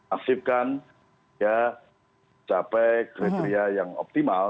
aktifkan ya capai kriteria yang optimal